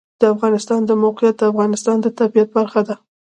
د افغانستان د موقعیت د افغانستان د طبیعت برخه ده.